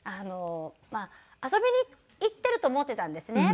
遊びに行ってると思っていたんですね